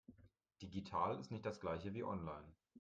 Digital ist nicht das Gleiche wie online.